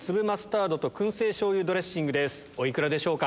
お幾らでしょうか？